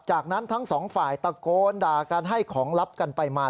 จากนั้นทั้งสองฝ่ายตะโกนด่ากันให้ของลับกันไปมา